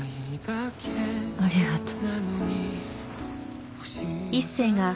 ありがとう。